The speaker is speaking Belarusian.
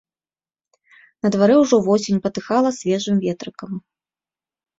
На дварэ ўжо восень патыхала свежым ветрыкам.